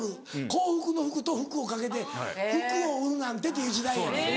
幸福の「福」と「服」を掛けて「服を売るなんて」って時代やねん。